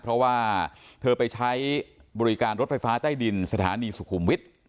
เพราะว่าเธอไปใช้บริการรถไฟฟ้าใต้ดินสถานีสุขุมวิทย์